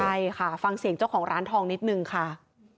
ใช่ค่ะฟังเสียงเจ้าของร้านทองนิดนึงค่ะ